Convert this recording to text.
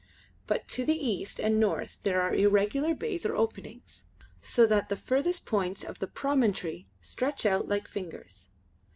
But to east and north there are irregular bays or openings, so that the furthest points of the promontory stretch out like fingers.